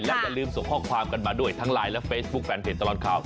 และอย่าลืมส่งข้อความกันมาด้วยทั้งไลน์และเฟซบุ๊คแฟนเพจตลอดข่าว